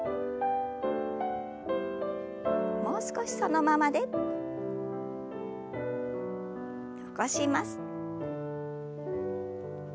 もう少しそのままで。起こします。